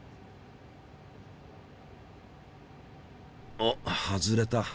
あっ外れた。